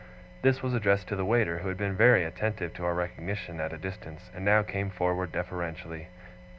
This was addressed to the waiter, who had been very attentive to our recognition, at a distance, and now came forward deferentially.